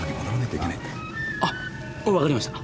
あっ分かりました。